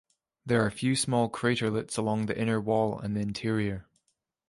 There are a few small craterlets along the inner wall and the interior.